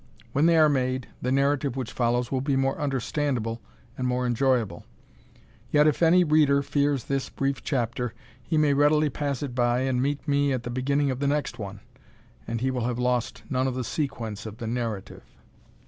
When they are made, the narrative which follows will be more understandable and more enjoyable. Yet if any Reader fears this brief chapter, he may readily pass it by and meet me at the beginning of the next one, and he will have lost none of the sequence of the narrative.